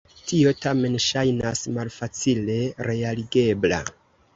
Tio tamen ŝajnas malfacile realigebla.